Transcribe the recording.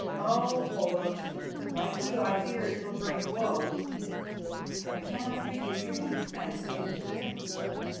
Oh! Olaf, like you I fear it will bring woe. I cannot read your dream as yet."